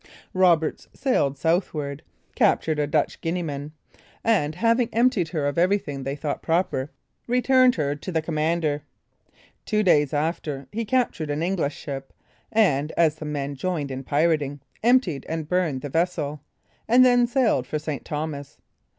Roberts sailed southward, captured a Dutch Guineaman, and, having emptied her of everything they thought proper, returned her to the commander. Two days after, he captured an English ship, and, as the men joined in pirating, emptied and burned the vessel, and then sailed for St. Thomas.